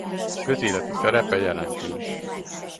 Közéleti szerepe jelentős.